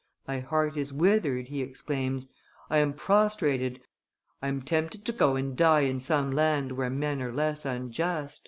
"My heart is withered," he exclaims, "I am prostrated, I am tempted to go and die in some land where men are less unjust."